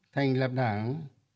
thành lập đảng